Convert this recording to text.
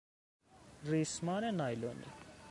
ریسمان نایلونی